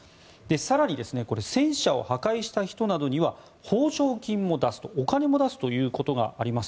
更に、戦車を破壊した人などには報奨金も出すとお金も出すということがあります。